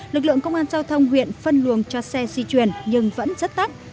lực lượng công an giao thông huyện phân luồng cho xe di chuyển nhưng vẫn rất tắt